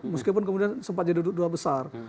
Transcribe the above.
meskipun kemudian sempat jadi dua besar